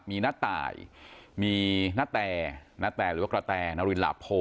มีน้าตายมีณแต่ณแต่หรือว่ากระแตนารินหลาโพ